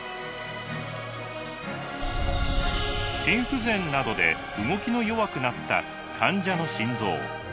心不全などで動きの弱くなった患者の心臓。